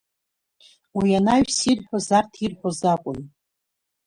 Уи анаҩс ирҳәоз арҭ ирҳәоз акәын.